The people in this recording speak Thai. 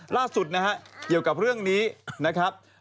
ล่าสุดนะฮะเกี่ยวกับเรื่องนี้นะครับ